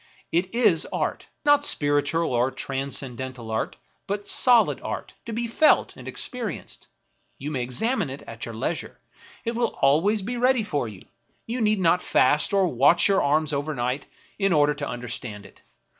It is art ; not spiritual or transcendental art, but solid art, to be felt and experienced. You may examine it at your leisure, it will be always ready for you ; you need not fast or watch your arms overnight in order to under stand it.